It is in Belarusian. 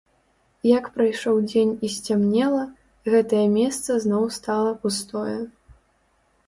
Як прайшоў дзень і сцямнела, гэтае месца зноў стала пустое.